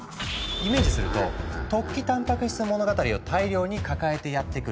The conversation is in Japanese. イメージすると「突起たんぱく質物語」を大量に抱えてやって来る。